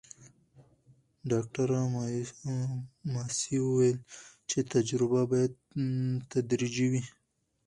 ډاکټره ماسي وویل چې تجربه باید تدریجي وي.